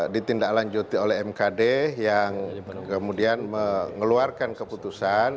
ditindaklanjuti oleh mkd yang kemudian mengeluarkan keputusan